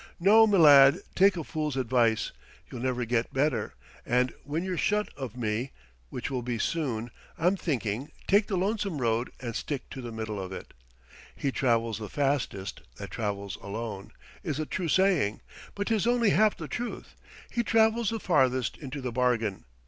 No, m'lad: take a fool's advice (you'll never get better) and when you're shut of me, which will be soon, I'm thinking, take the Lonesome Road and stick to the middle of it. 'He travels the fastest that travels alone' is a true saying, but 'tis only half the truth: he travels the farthest into the bargain....